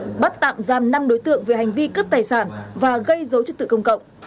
cơ quan cảnh sát điều tra công an huyện gia lộc đã làm năm đối tượng về hành vi cướp tài sản và gây dấu chức tự công cộng